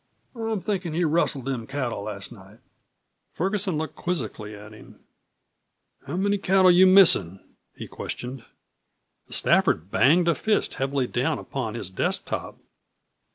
I'm thinkin' he rustled them cattle last night." Ferguson looked quizzically at him. "How many cattle you missin'?" he questioned. Stafford banged a fist heavily down upon his desk top.